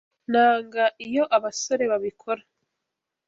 Nanga iyo abasore babikora.